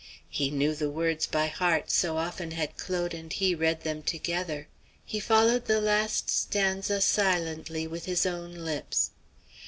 He knew the words by heart, so often had Claude and he read them together. He followed the last stanza silently with his own lips.